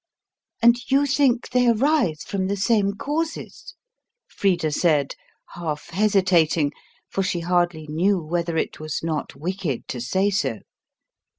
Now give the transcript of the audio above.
"And you think they arise from the same causes?" Frida said, half hesitating: for she hardly knew whether it was not wicked to say so.